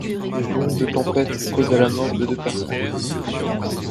L'onde de tempête causa la mort de deux personnes.